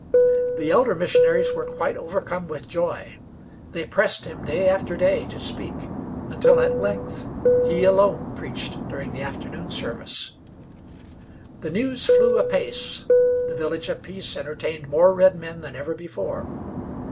The elder missionaries were quite overcome with joy; they pressed him day after day to speak, until at length he alone preached during the afternoon service. The news flew apace; the Village of Peace entertained more redmen than ever before.